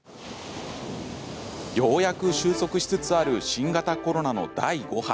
ようやく収束しつつある新型コロナの第５波。